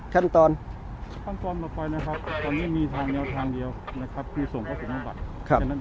ขั้นตอนขั้นตอนต่อไปนะครับตอนนี้มีทางแนวทางเดียวนะครับ